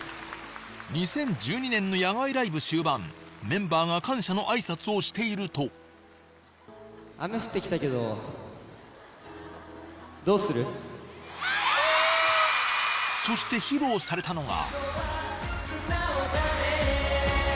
２０１２年の野外ライブ終盤メンバーが感謝の挨拶をしているとそして披露されたのが